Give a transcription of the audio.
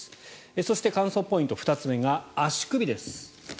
そして、乾燥ポイント２つ目が足首です。